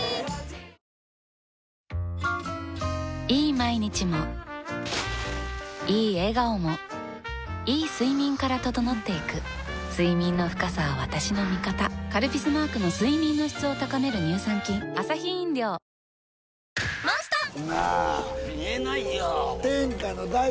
毎日もいい笑顔もいい睡眠から整っていく睡眠の深さは私の味方「カルピス」マークの睡眠の質を高める乳酸菌タンターン！